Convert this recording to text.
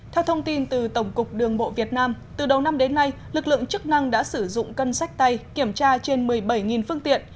theo thông tin từ tổng cục đường bộ việt nam từ đầu năm đến nay lực lượng chức năng đã sử dụng cân sách tay kiểm tra trên một mươi bảy phương tiện